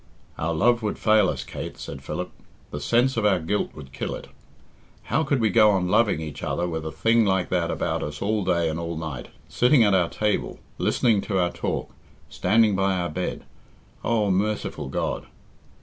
"Our love would fail us, Kate," said Philip. "The sense of our guilt would kill it. How could we go on loving each other with a thing like that about us all day and all night sitting at our table listening to our talk standing by our bed? Oh, merciful God!"